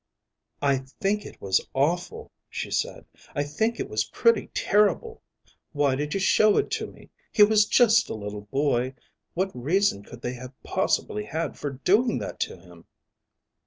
"I think it was awful," she said. "I think it was pretty terrible. Why did you show it to me? He was just a little boy. What reason could they have possibly had for doing that to him?"